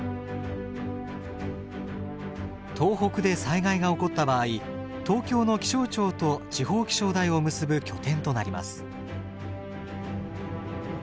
東北で災害が起こった場合東京の気象庁と地方気象台を結ぶ拠点となります。